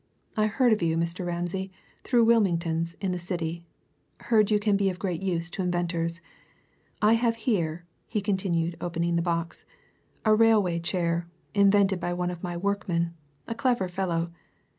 I heard of you, Mr. Ramsay, through Wilmingtons, in the City; heard you can be of great use to inventors. I have here," he continued, opening the box, "a railway chair, invented by one of my workmen, a clever fellow.